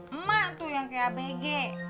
emak tuh yang kayak apg